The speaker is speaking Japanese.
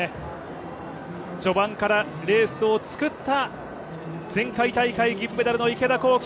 序盤からレースを作った前回大会銀メダルの池田向希。